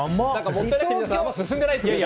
もったいなくて皆さんあんまり進んでない。